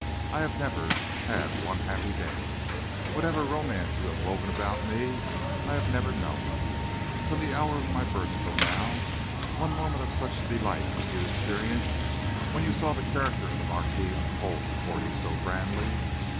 I have never had one happy day. Whatever romance you have woven about me, I have never known, from the hour of my birth till now, one moment of such delight as you experienced when you saw the character of the marquis unfold before you so grandly.